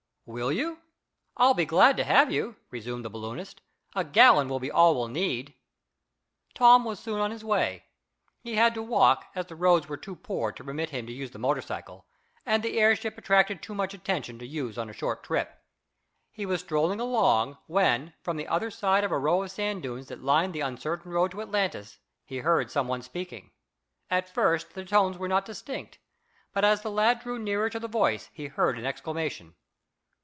"Will you? I'll be glad to have you," resumed the balloonist. "A gallon will be all we'll need." Tom was soon on his way. He had to walk, as the roads were too poor to permit him to use the motor cycle, and the airship attracted too much attention to use on a short trip. He was strolling along, when from the other side of a row of sand dunes, that lined the uncertain road to Atlantis, he heard some one speaking. At first the tones were not distinct, but as the lad drew nearer to the voice he heard an exclamation.